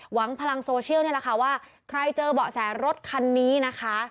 หวังพลังโซเชียลนี่แหละค่ะว่าใครเจอเบาะแสรถคันนี้นะคะ